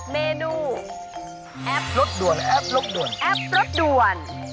เมนูแอปรถด่วนและแอปรบด่วนแอปรถด่วน